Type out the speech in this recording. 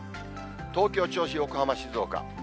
東京、銚子、横浜、静岡。